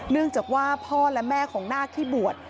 เนื่องจากว่าพ่อและแม่ของนาคที่บวช